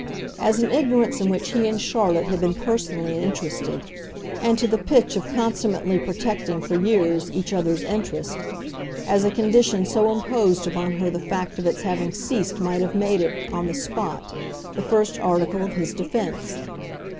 As an ignorance in which he and Charlotte had been personally interested and to the pitch of consummately protecting, for years, each other's interest as a condition so imposed upon her the fact of its having ceased might have made it, on the spot, the first article of his defence.